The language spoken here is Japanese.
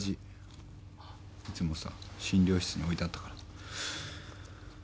いつもさ診療室に置いてあったから。